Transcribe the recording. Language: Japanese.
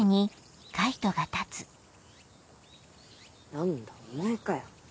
何だお前かよ。